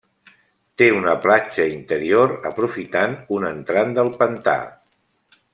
Té una platja interior, aprofitant un entrant del pantà.